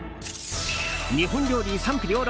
日本料理「賛否両論」